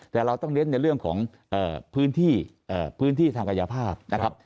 แต่เราต้องเน้นในเรื่องของพื้นที่ทางกายภาพนะครับ